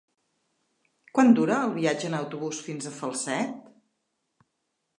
Quant dura el viatge en autobús fins a Falset?